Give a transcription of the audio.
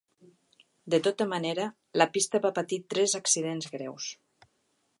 De tota manera, la pista va patir tres accidents greus.